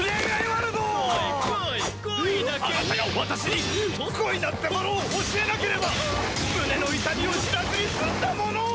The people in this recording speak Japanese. あなたが私に恋なんてものを教えなければ胸の痛みを知らずに済んだものを！